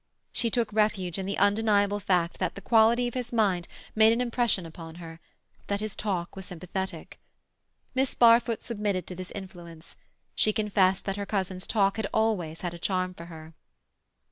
She took refuge in the undeniable fact that the quality of his mind made an impression upon her, that his talk was sympathetic. Miss Barfoot submitted to this influence; she confessed that her cousin's talk had always had a charm for her.